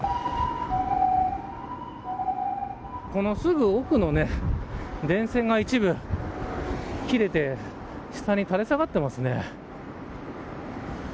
このすぐ奥の電線が一部切れて、下に垂れ下がっていますね。